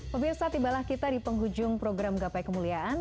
pemirsa tibalah kita di penghujung program gapai kemuliaan